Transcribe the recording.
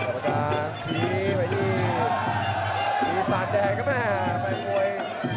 กลับไปด้วยพี่ไซด์แดงนะครับ